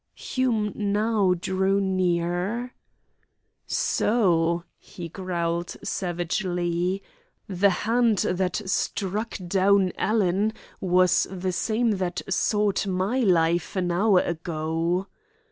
Hume now drew near. "So," he growled savagely, "the hand that struck down Alan was the same that sought my life an hour ago!"